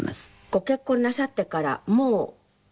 ご結婚なさってからもう１４年？